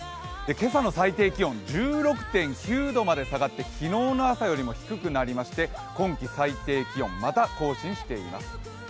今朝の最低気温１６．９度まで下がって昨日の朝よりも低くなりまして今季最低気温をまた更新しています。